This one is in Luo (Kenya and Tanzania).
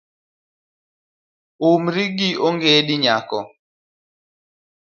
Umri gi ongedi nyako.